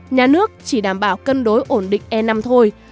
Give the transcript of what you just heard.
nhà nước chỉ đảm bảo cân đối ổn định e năm thôi